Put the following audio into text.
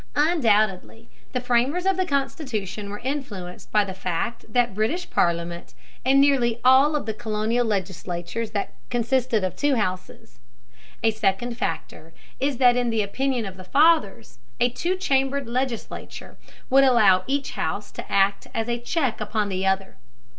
Undoubtedly the framers of the Constitution were influenced by the fact that the British Parliament and nearly all of the colonial legislatures consisted of two houses. A second factor is that in the opinion of the Fathers, a two chambered legislature would allow each house to act as a check upon the other.